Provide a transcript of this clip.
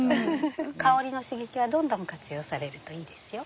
香りの刺激はどんどん活用されるといいですよ。